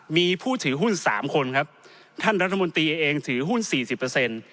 มีผู้ถือหุ้นสามคนครับท่านรัฐมนตรีเองถือหุ้นสี่สิบเปอร์เซ็นต์